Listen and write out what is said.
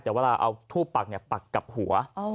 แต่เวลาเอาทูบปักปักกับหัว